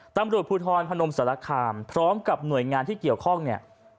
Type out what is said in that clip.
ตำรวจภูทรพนมสารคามพร้อมกับหน่วยงานที่เกี่ยวข้องเนี่ย